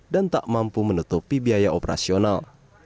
dan tak mampu menutupi biaya operasional